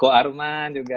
ko arman juga